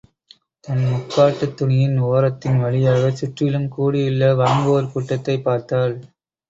தன் முக்காட்டுத் துணியின் ஒரத்தின் வழியாக சுற்றிலும் கூடியுள்ள வாங்குவோர் கூட்டத்தைப் பார்த்தாள்.